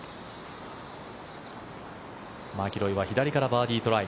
マキロイは左からバーディートライ。